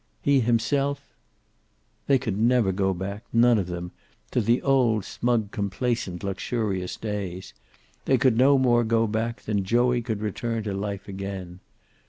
He himself They could never go back, none of them, to the old smug, complacent, luxurious days. They could no more go back than Joey could return to life again.